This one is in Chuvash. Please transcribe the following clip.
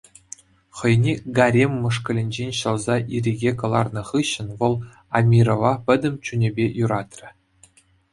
Хӑйне гарем мӑшкӑлӗнчен ҫӑлса ирӗке кӑларнӑ хыҫҫӑн вӑл Амирова пӗтӗм чунӗпе юратрӗ.